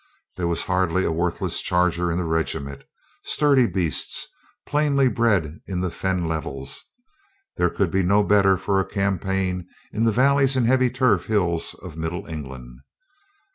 There was hardly a worthless charger in the regiment. Sturdy beasts, plainly bred in the fen levels, there could be no better for a campaign in the valleys and heavy turf hills of middle England.